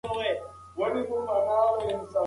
هغه ساتونکی اوس د منډېلا د اخلاقو په زندان کې بندي و.